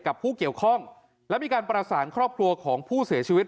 ผู้เกี่ยวข้องและมีการประสานครอบครัวของผู้เสียชีวิต